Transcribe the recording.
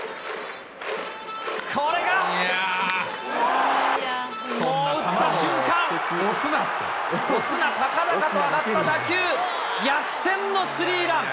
これが、打った瞬間、オスナ、高々と上がった打球、逆転のスリーラン。